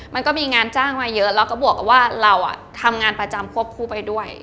มันก็มีงานจ้างมาเยอะแล้วก็บวกกับว่าเราทำงานประจำควบคู่ไปด้วย